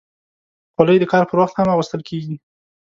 خولۍ د کار پر وخت هم اغوستل کېږي.